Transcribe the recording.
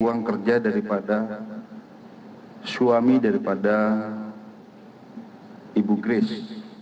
uang kerja daripada suami daripada ibu grace